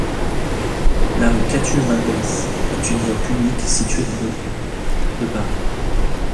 La rue Catulle-Mendès est une voie publique située dans le de Paris.